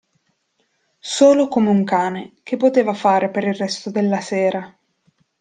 Solo come un cane, che poteva fare per il resto della sera?